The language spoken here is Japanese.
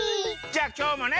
じゃあきょうもね